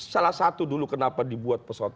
salah satu dulu kenapa dibuat pesawat